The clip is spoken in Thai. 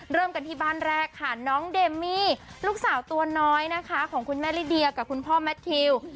เริ่มกันที่บ้านแรกค่ะน้องเดมมี่ลูกสาวตัวน้อยนะคะของคุณแม่ลิเดียกับคุณพ่อแมททิว